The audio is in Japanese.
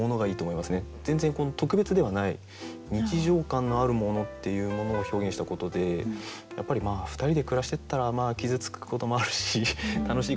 全然特別ではない日常感のあるものっていうものを表現したことでやっぱり２人で暮らしてったらまあ傷つくこともあるし楽しいこともあるし。